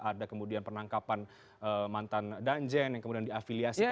ada kemudian penangkapan mantan danjen yang kemudian diafiliasikan